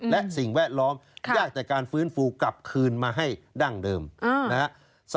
และสิ่งแวดล้อมยากแต่การฟื้นฟูกลับคืนมาให้ดั้งเดิมนะฮะ